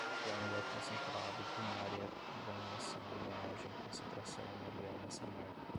ganga, concentrado, primária, granulação, moagem, concentração, mariana, samarco